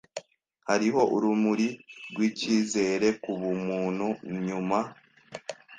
Hariho urumuri rwicyizere kubumuntu nyuma.